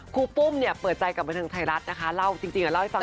ครูปุ้มเนี่ยเปิดใจกลับมาทางไทยรัฐนะคะจริงอะเล่าให้ฟังยาวมาก